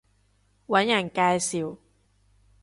搵人介紹